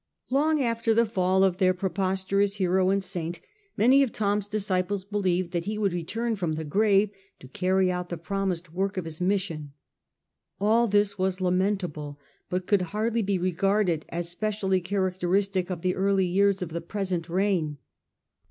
Long after the fall of their preposterous hero and saint, many of Thom's disciples believed that he would return from the grave to carry out the promised work of Ms mission. All tMs was lamentable, but could hardly be regarded as specially characteristic of the early years of the pre sent reign.